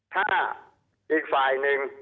ถ้าอีกฝ่ายหนึ่ง